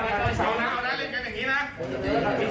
มีใครสั่งให้ทำไหมครับพี่